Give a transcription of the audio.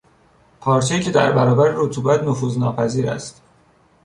پارچهای که در برابر رطوبت نفوذ ناپذیر است